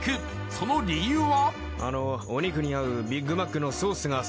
その理由は？